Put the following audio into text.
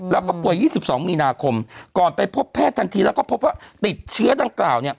แล้วก็ป่วย๒๒มีนาคมก่อนไปพบแพทย์ทันทีแล้วก็พบว่าติดเชื้อดังกล่าวเนี่ย